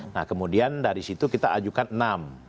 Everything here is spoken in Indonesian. nah kemudian dari situ kita ajukan enam